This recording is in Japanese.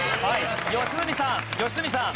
良純さん良純さん。